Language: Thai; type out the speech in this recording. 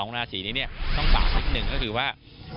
ราศีนี้ต้องฝากนิดนึงก็คือว่า